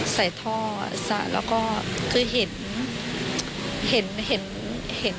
ใส่ท่อแล้วก็คือเห็นเข้าตรงคอใช่